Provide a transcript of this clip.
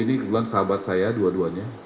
ini kebetulan sahabat saya dua duanya